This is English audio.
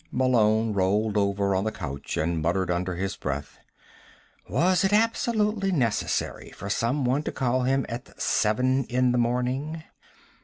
Malone rolled over on the couch and muttered under his breath. Was it absolutely necessary for someone to call him at seven in the morning?